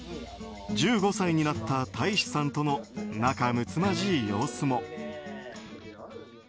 １５歳になった大維志さんとの仲むつまじい様子も。